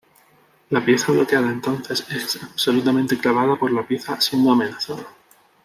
La pieza bloqueada entonces es absolutamente clavada por la pieza siendo amenazada.